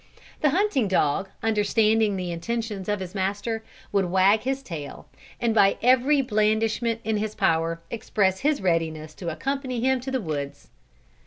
The hunting dog understanding the intentions of his master, would wag his tail, and by every blandishment in his power, express his readiness to accompany him to the woods."